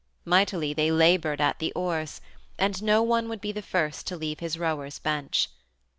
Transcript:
Mightily they labored at the oars, and no one would be first to leave his rower's bench.